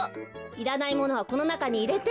いらないものはこのなかにいれて。